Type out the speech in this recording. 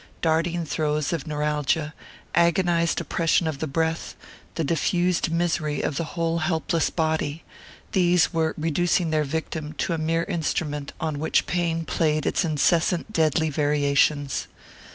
Darting throes of neuralgia, agonized oppression of the breath, the diffused misery of the whole helpless body these were reducing their victim to a mere instrument on which pain played its incessant deadly variations.